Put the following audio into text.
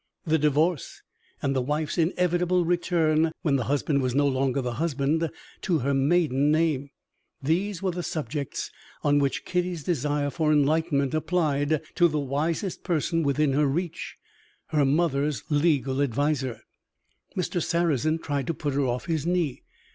The Divorce, and the wife's inevitable return (when the husband was no longer the husband) to her maiden name these were the subjects on which Kitty's desire for enlightenment applied to the wisest person within her reach, her mother's legal adviser. Mr. Sarrazin tried to put her off his knee.